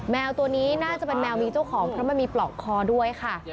แมวตัวนี้น่าจะเป็นแมวมีเจ้าของเพราะมันมีปลอกคอด้วยค่ะ